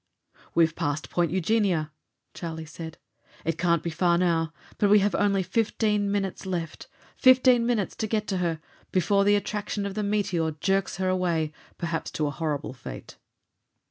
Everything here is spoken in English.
"We've passed Point Eugenia," Charlie said. "It can't be far, now. But we have only fifteen minutes left. Fifteen minutes to get to her before the attraction of the meteor jerks her away, perhaps to a horrible fate."